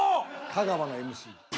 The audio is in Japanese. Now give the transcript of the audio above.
香川のＭＣ。